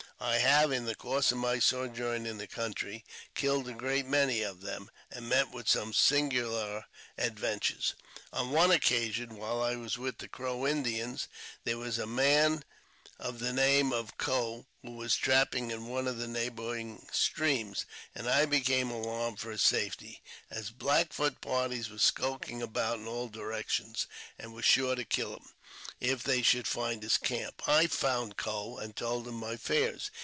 I have, in the course of my sojourn in the country, killed a great many of them, and met with some singular adventures. On one occasion, while I was with the Crow Indians, there I JAMES P. BECKWOUBTH. 421 was a man of the name of Coe who was trapping in one of the neighbouring streams, and I became alarmed for his safety, as Black Foot parties were skulking about in all directions, and were sure to kill him if they should find his camp. I found Coe, and told him my fears.